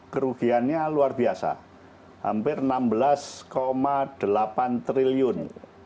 kerugiannya luar biasa hampir rp enam belas delapan triliun